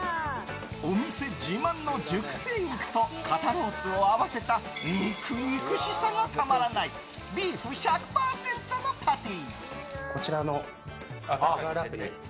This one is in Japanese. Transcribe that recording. お店自慢の熟成肉と肩ロースを合わせた肉々しさがたまらないビーフ１００％のパティ。